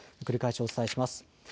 繰り返しお伝えします。